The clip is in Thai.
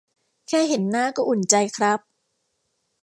แค่เห็นหน้าก็อุ่นใจครับ